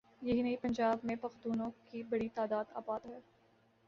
یہی نہیں پنجاب میں پختونوں کی بڑی تعداد آباد ہے۔